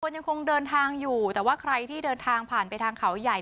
ยังคงเดินทางอยู่แต่ว่าใครที่เดินทางผ่านไปทางเขาใหญ่